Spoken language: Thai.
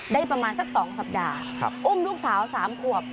ได้ประมาณสัก๒สัปดาห์อุ้มลูกสาว๓ขวบ